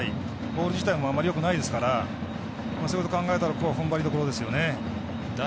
ボール自体もあまりよくないですからそういうことを考えたらここはふんばりどころですね。